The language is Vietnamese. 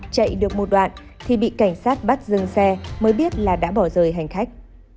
chạy được một đoạn thì bị cảnh sát bắt dừng xe mới biết là đã bỏ rời hành khách